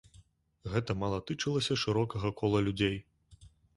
Гэта мала тычылася шырокага кола людзей.